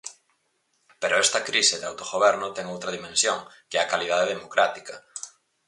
Pero esta crise de autogoberno ten outra dimensión, que é a calidade democrática.